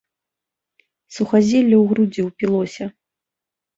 Сухазелле у грудзі ўпілося.